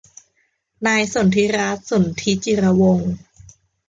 นายสนธิรัตน์ สนธิจิรวงศ์